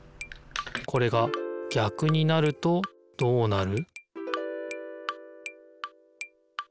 これが逆になるとどうなる？